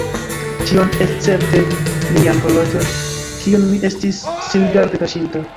Ĉion, escepte mian horloĝon, kiun mi estis singarde kaŝinta.